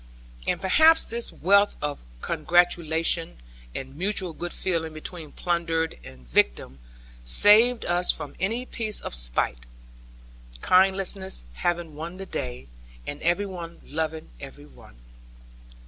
And perhaps this wealth of congratulation, and mutual good feeling between plundered and victim, saved us from any piece of spite; kindliness having won the day, and every one loving every one.